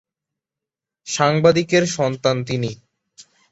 সাংবাদিকের সন্তান তিনি।